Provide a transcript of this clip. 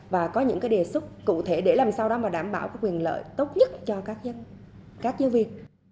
và có những cái đề xuất cụ thể để làm sao đó mà đảm bảo quyền lợi tốt nhất cho các giáo viên